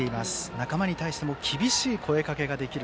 仲間に対しても厳しい声かけができる